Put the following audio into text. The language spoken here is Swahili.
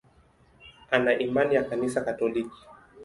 Ana imani ya Kanisa Katoliki.